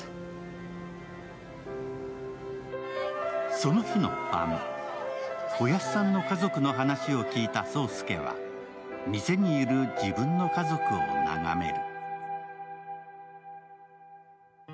その日の晩、おやっさんの家族の話を聞いた蒼介は店にいる自分の家族を眺める。